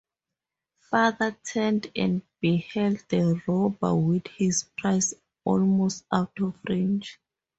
Father turned and beheld the robber with his prize almost out of range.